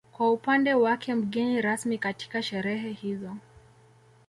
Kwa upande wake mgeni rasmi katika sherehe hizo